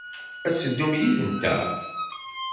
Ad teddum yid-nteɣ?